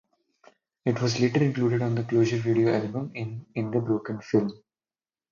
It was later included on the "Closure" video album and in the "Broken" film.